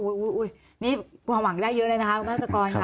อู้ยนี่ผมผ่านหวังได้เยอะเลยนะครับคุณภาษากรนะครับ